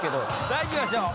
さあいきましょう。